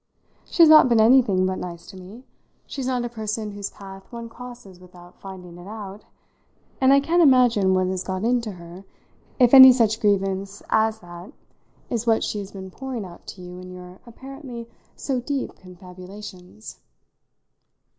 "She has not been anything but nice to me; she's not a person whose path one crosses without finding it out; and I can't imagine what has got into her if any such grievance as that is what she has been pouring out to you in your apparently so deep confabulations."